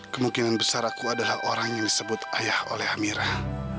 kemungkinan besar aku adalah orang yang disebut ayah oleh amirah